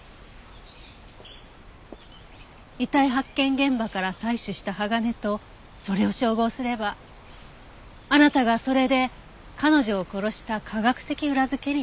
遺体発見現場から採取した鋼とそれを照合すればあなたがそれで彼女を殺した科学的裏付けになる。